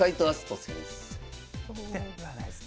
ではないですね。